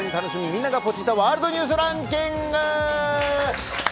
みんながポチッたワールドニュースランキング！